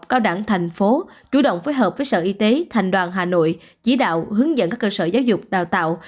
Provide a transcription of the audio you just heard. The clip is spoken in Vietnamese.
cao đẳng thành phố chủ động phối hợp với sở y tế thành đoàn hà nội chỉ đạo hướng dẫn các cơ sở giáo dục đào tạo